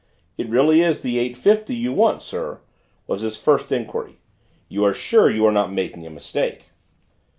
"It really is the 8.50 you want, sir?" was his first enquiry. "You are sure you are not making a mistake?"